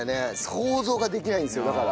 想像ができないんですよだから。